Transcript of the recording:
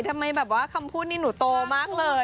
ทำไมคำพูดนี่หนูโตมากเลย